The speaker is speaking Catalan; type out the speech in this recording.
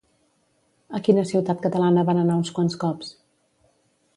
A quina ciutat catalana van anar uns quants cops?